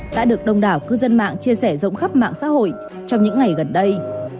đã được đông đảo cư dân mạng chia sẻ rộng khắp mạng xã hội trong những ngày gần đây